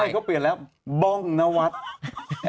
ใช่เขาเปลี่ยนแล้วบ้องนวัฒน์